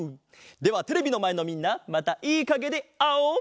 ではテレビのまえのみんなまたいいかげであおう！